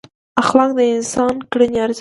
اخلاق د انسانانو کړنې ارزوي.